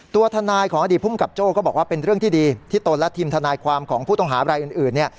ตัวทนายของอดีตภูมิกับโจ้ก็บอกว่าเป็นเรื่องที่ดีที่ตนและทีมทนายความของผู้ต้องหารายอื่นเนี่ย